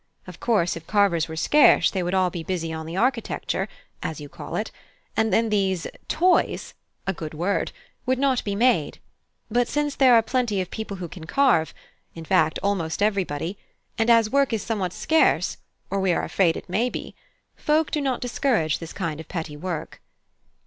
Of course, if carvers were scarce they would all be busy on the architecture, as you call it, and then these 'toys' (a good word) would not be made; but since there are plenty of people who can carve in fact, almost everybody, and as work is somewhat scarce, or we are afraid it may be, folk do not discourage this kind of petty work."